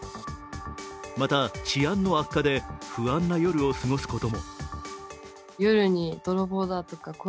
また、治安の悪化で不安な夜を過ごすことも。